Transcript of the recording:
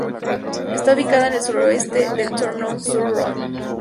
Está ubicada a al suroeste de Tournon-sur-Rhône.